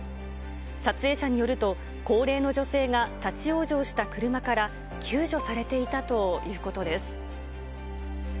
撮影者によると、高齢の女性が立往生した車から救助されていたということです。